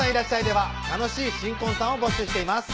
では楽しい新婚さんを募集しています